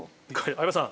相葉さん。